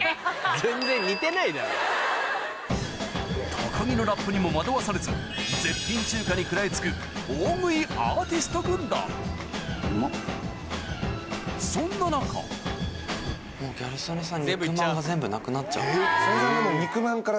高木のラップにも惑わされず大食いアーティスト軍団そんな中もうギャル曽根さん。